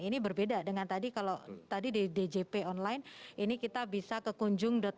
ini berbeda dengan tadi kalau jadi di djp online ini kita bisa ke kunjung pajak gur id